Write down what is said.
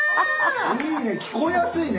いいね聞こえやすいね。